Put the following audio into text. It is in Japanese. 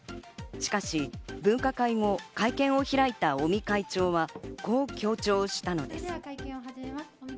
しかし分科会後、会見を開いた尾身会長は、こう強調したのです。